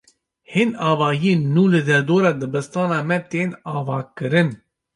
Hin avahiyên nû li derdora dibistana me tên avakirin.